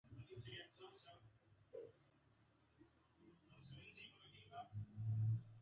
Sijaanza bado